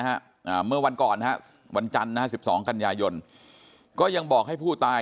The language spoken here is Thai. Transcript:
ฮะเมื่อวันก่อนนะวันจันทร์๑๒กันยายนก็ยังบอกให้ผู้ตาย